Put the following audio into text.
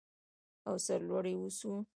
او سرلوړي اوسو.